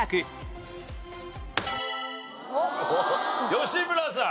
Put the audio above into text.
吉村さん。